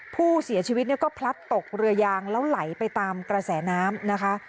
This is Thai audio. ผู้เสียชีวิตเนี่ยก็พลัดตกเรือยางแล้วไหลไปตามกระแสน้ำนะคะ